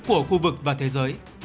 của khu vực và thế giới